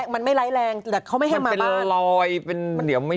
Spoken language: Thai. มันไม่ไร้แรงแต่เขาไม่ให้มันลอย